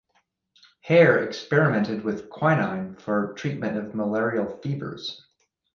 Hare experimented with quinine for treatment of malaria fevers.